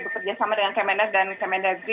bekerjasama dengan kmnf dan kmn dg